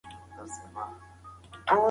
ټولنيزي اړتياوي تر سياسي تيوريو مهمي ګڼل کېږي.